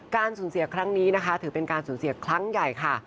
สูญเสียครั้งนี้นะคะถือเป็นการสูญเสียครั้งใหญ่ค่ะ